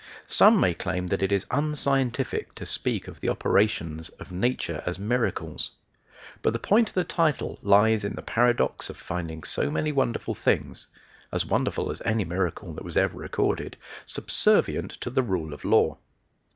Some may claim that it is unscientific to speak of the operations of nature as "miracles." But the point of the title lies in the paradox of finding so many wonderful things as wonderful as any miracle that was ever recorded subservient to the rule of law.